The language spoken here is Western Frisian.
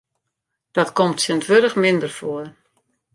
Dat komt tsjintwurdich minder foar.